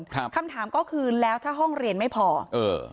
คำถามก็คือแล้วถ้าห้องเรียนไม่พอเออ